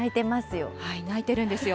泣いてるんですよ。